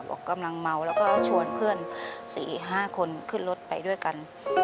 กำลังเมาแล้วก็ชวนเพื่อน๔๕คนขึ้นรถไปด้วยกัน